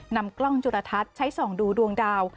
นำกล้องจุรทัศน์ใช้ส่องดูดวงดาว